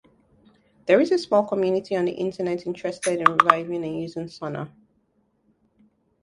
There is a small community on the Internet interested in reviving and using Sona.